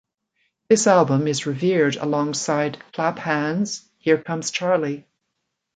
This album is revered alongside Clap Hands, Here Comes Charlie!